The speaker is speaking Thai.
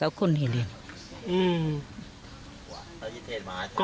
ร้านของรัก